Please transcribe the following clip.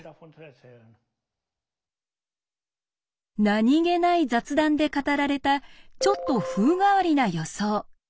何気ない雑談で語られたちょっと風変わりな予想。